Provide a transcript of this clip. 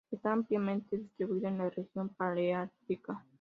Está ampliamente distribuida en la región Paleártica.